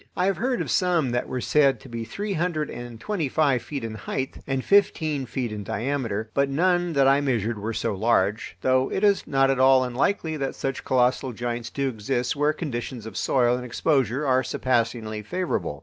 I have heard of some that were said to be three hundred and twenty five feet in height and fifteen feet in diameter, but none that I measured were so large, though it is not at all unlikely that such colossal giants do exist where conditions of soil and exposure are surpassingly favorable.